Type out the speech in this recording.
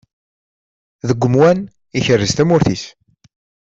Deg umwan, ikerrez tamurt-is.